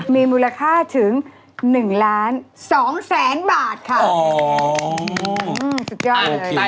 มีมูลค่าถึง๑ล้าน๒แสนบาทค่ะอ๋อสุดยอดเลย